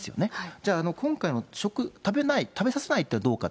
じゃあ、今回の食、食べさせないというのはどうか。